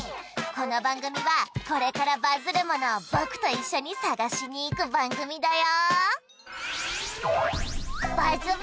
この番組はこれからバズるものをぼくと一緒に探しに行く番組だよ